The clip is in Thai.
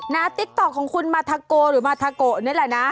ติ๊กต๊อกของคุณมาทาโกหรือมาทาโกะนี่แหละนะ